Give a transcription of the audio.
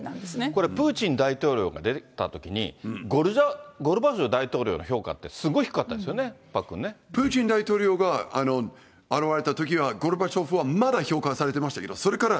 これ、プーチン大統領が出たときに、ゴルバチョフ大統領の評価ってすごく低かったですよね、パックンプーチン大統領が現れたときは、ゴルバチョフはまだ評価されてましたけど、それから。